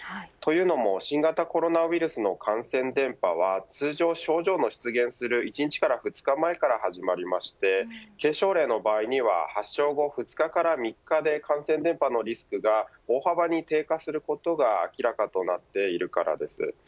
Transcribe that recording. というのも新型コロナウイルスの感染伝播は通常、症状の出現する１日から２日前から始まりまして軽症例の場合には発症後２日から３日で感染伝播のリスクが大幅に低下することが明らかになっているからです。